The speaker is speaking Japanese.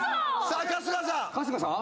さあ春日さん